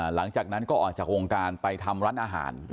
หลังจากนั้นก็ออกจากวงการไปทำร้านอาหาร